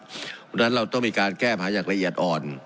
เพราะฉะนั้นเราต้องมีการแก้ปัญหาอย่างละเอียดอ่อน